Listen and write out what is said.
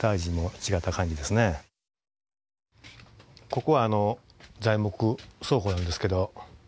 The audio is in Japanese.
ここ材木倉庫なんですけど。